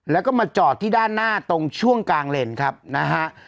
แล้วก็มาจอดที่ด้านหน้าตรงช่วงกลางเลนครับนะฮะ